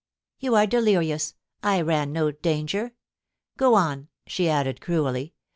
' You are delirious. I ran no danger. Go on,' she added cruelly.